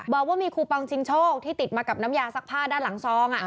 บอกว่ามีคูปองชิงโชคที่ติดมากับน้ำยาซักผ้าด้านหลังซอง